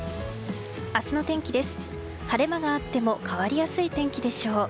明日の天気です。